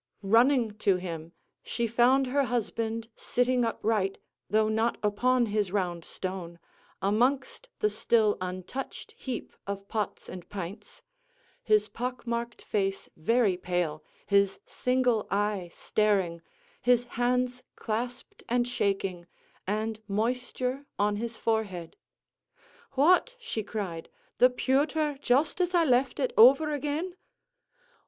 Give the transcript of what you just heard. Running to him, she found her husband sitting upright, though not upon his round stone, amongst the still untouched heap of pots and pints, his pock marked face very pale, his single eye staring, his hands clasped and shaking, and moisture on his forehead. "What!" she cried, "the pewther just as I left it, over again!"